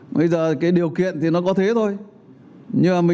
bây giờ cái điều kiện thì nó có thế thôi